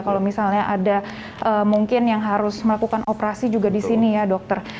kalau misalnya ada mungkin yang harus melakukan operasi juga di sini ya dokter